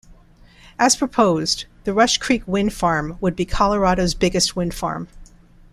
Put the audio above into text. As proposed, the Rush Creek wind farm would be Colorado's biggest wind farm.